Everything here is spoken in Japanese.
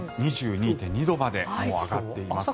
２２．度までもう上がっています。